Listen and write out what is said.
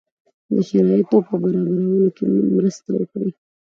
د شرایطو په برابرولو کې مرسته وکړي.